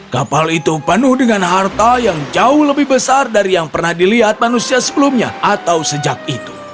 kapal itu penuh dengan harta yang jauh lebih besar dari yang pernah dilihat manusia sebelumnya atau sejak itu